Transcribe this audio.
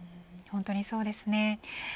本当にそうですね。